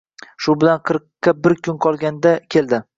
Shu bilan qirqqa bir kun qolganda keldi